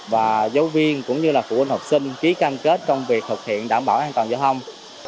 và giáo viên cũng như là phụ huynh học sinh ký cam kết trong việc thực hiện đảm bảo an toàn giao thông